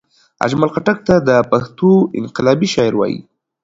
اجمل خټګ ته دا پښتو انقلابي شاعر وايي